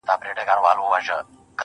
په خپلو اوښکو,